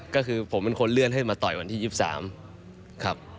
ก็คือผมเป็นคนเลื่อนให้มาต่อยวันที่๒๓ครับ